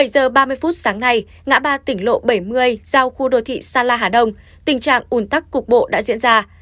bảy giờ ba mươi phút sáng nay ngã ba tỉnh lộ bảy mươi giao khu đô thị sa la hà đông tình trạng ủn tắc cục bộ đã diễn ra